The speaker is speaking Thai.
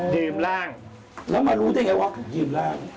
อ๋อยืมร่างแล้วมารู้ได้ยังไงวะยืมร่าง